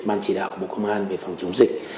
ban chỉ đạo bộ công an về phòng chống dịch